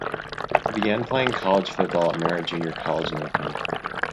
He began playing college football at Merritt Junior College in Oakland.